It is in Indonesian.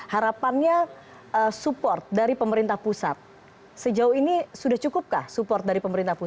harapannya support dari pemerintah pusat sejauh ini sudah cukupkah support dari pemerintah